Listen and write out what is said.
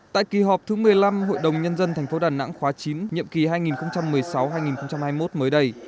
tại kỳ họp thứ một mươi năm hội đồng nhân dân tp đà nẵng khóa chín nhiệm kỳ hai nghìn một mươi sáu hai nghìn hai mươi một mới đây